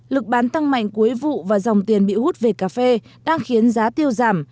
lực bán tăng mạnh cuối vụ và dòng tiền bị hút về cà phê đang khiến giá tiêu giảm